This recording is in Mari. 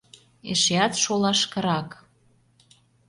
Эшеат шолашкырак...